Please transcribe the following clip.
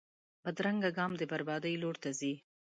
بدرنګه ګام د بربادۍ لور ته ځي